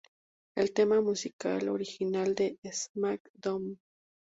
El tema musical original de "SmackDown!